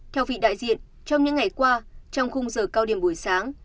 theo vị đại diện trong những ngày qua trong khung giờ cao điểm buổi sáng